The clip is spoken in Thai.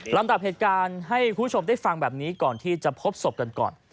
ลำดับเหตุการณ์ให้คุณผู้ชมได้ฟังแบบนี้ก่อนที่จะพบศพกันก่อน